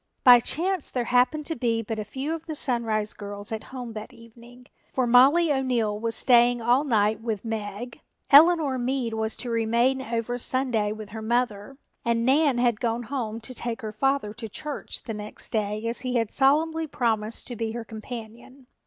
By chance there happened to be but a few of the Sunrise girls at home that evening, for Mollie O'Neill was staying all night with Meg, Eleanor Meade was to remain over Sunday with her mother and Nan had gone home to take her father to church the next day as he had solemnly promised to be her companion.